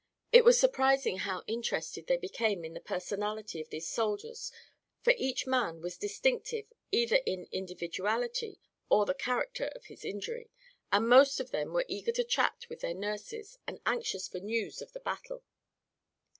It was surprising how interested they became in the personality of these soldiers, for each man was distinctive either in individuality or the character of his injury, and most of them were eager to chat with their nurses and anxious for news of the battle.